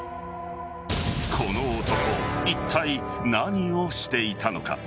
この男いったい何をしていたのか。